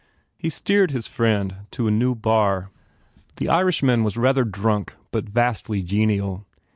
He steered his friend to a new bar. The Irish man was rather drunk but vastly genial.